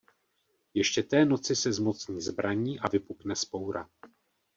Ještě té noci se zmocní zbraní a vypukne vzpoura.